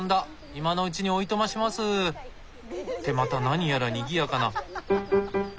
今のうちにおいとましますってまた何やらにぎやかな。